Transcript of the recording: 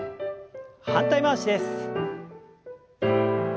反対回しです。